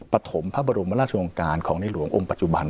ปฐมพระบรมราชวงศ์การณ์ของนายหลวงอมปัจจุบัน